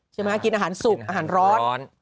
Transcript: ใช่ไหมฮะกินอาหารสุกอาหารร้อน